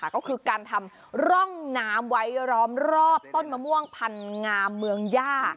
ก็คือการทำร่องน้ำไว้ร้อมรอบต้นมะม่วงพันงามเมืองย่า